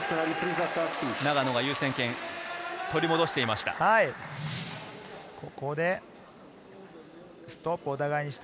永野が優先権取り戻していました。